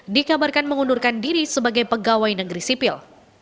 dikabarkan mengundurkan diri sebagai pegawai negeri sipil